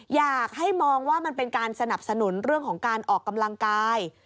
อยากให้มองว่ามันเป็นการสนับสนุนเรื่องของการออกกำลังกาย